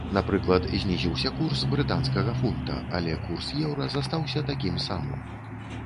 Напрыклад, знізіўся курс брытанскага фунта, але курс еўра застаўся такім самым.